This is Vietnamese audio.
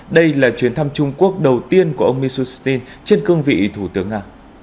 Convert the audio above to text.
đây là chuyến thăm trung quốc đầu tiên của ông mishustin trên cương vị thủ tướng nga